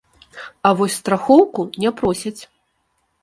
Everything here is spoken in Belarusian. А вось страхоўку не просяць.